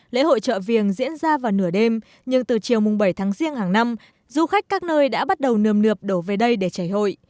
lễ hội chợ viềng diễn ra vào nửa đêm nhưng từ chiều mùng bảy tháng riêng hàng năm du khách các nơi đã bắt đầu nườm nượp đổ về đây để chảy hội